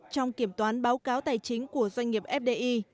trong kiểm toán báo cáo tài chính của doanh nghiệp fdi